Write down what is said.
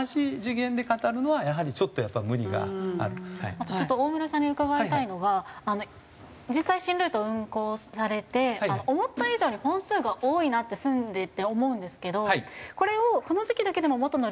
あとちょっと大村さんに伺いたいのが実際新ルート運航されて思った以上に本数が多いなって住んでて思うんですけどこれを。